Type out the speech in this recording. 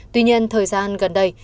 tuy nhiên thời gian gần đây